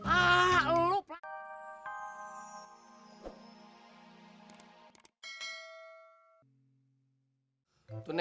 ah lu pelan